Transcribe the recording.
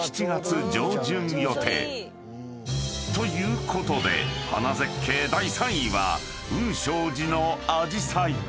［ということで花絶景第３位は雲昌寺のあじさい］